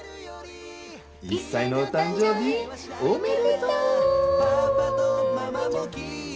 １歳のお誕生日おめでとう！